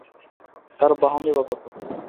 তার বাহনই বা কত!